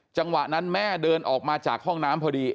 จังหวะนั้นแม่เดินออกมาจากห้องน้ำพอดี